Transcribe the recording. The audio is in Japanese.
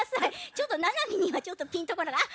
ちょっとななみにはちょっとピンとこない。